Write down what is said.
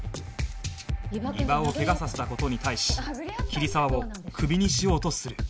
伊庭を怪我させた事に対し桐沢をクビにしようとする